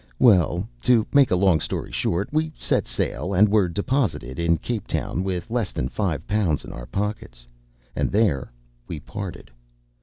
Well, to make a long story short, we set sail, and were deposited in Cape Town with less than five pounds in our pockets; and there we parted.